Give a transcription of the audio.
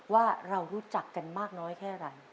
ว่าเรารู้จักกันมากน้อยแค่ไหน